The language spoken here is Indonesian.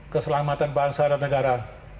keselamatan bangsa dan negara